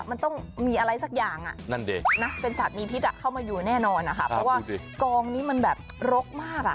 มันต้องมีอะไรสักอย่างอ่ะนั่นดินะเป็นสัตว์มีพิษเข้ามาอยู่แน่นอนนะคะเพราะว่ากองนี้มันแบบรกมากอ่ะ